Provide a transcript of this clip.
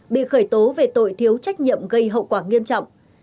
bị khởi tố về tội thiếu trách nhiệm gây hậu quả nghiêm trọng